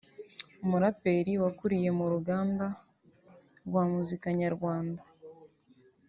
umuraperi wakuriye mu ruganda rwa muzika Nyarwanda